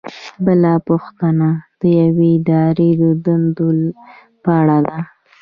بله پوښتنه د یوې ادارې د دندو په اړه ده.